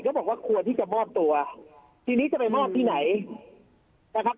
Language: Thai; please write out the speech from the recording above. บอกว่าควรที่จะมอบตัวทีนี้จะไปมอบที่ไหนนะครับ